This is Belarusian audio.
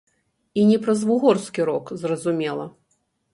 І не праз вугорскі рок, зразумела.